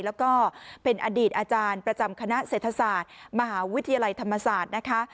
แล้วก็เป็นอดีตอาจารย์ประจำคณะเศรษฐศาสตร์มหาวิทยาลัยธรรมศาสตร์นะคะ